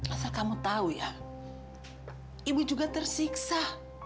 rasa kamu tahu ya ibu juga tersiksa